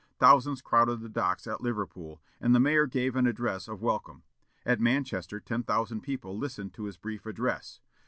Thousands crowded the docks at Liverpool, and the mayor gave an address of welcome. At Manchester, ten thousand people listened to his brief address.